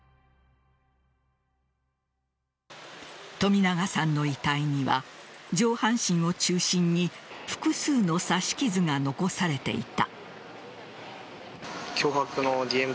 冨永さんの遺体には上半身を中心に複数の刺し傷が残されていた。